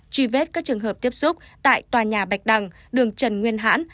truy vết các trường hợp tiếp xúc tại tòa nhà bạch đằng đường trần nguyên hãn